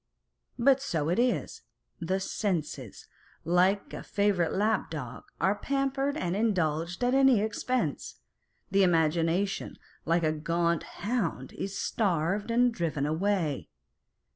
But so it is, the Senses, like a favourite lap dog, are pampered and indulged at any expense : the Imagination, like a gaunt hound, is starved and driven away.